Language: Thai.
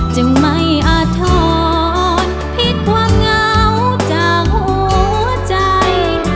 จึงไม่อาทรผิดความเหงาจากหัวใจ